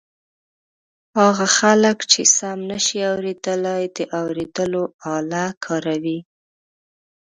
هغه خلک چې سم نشي اورېدلای د اوریدلو آله کاروي.